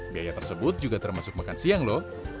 biaya tersebut juga termasuk makan siang lho